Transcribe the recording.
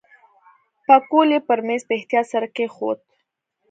پکول یې پر میز په احتیاط سره کېښود.